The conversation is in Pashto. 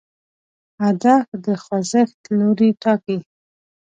هدف د خوځښت لوری ټاکي.